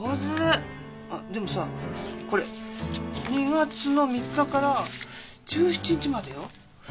でもさこれ２月の３日から１７日までよ。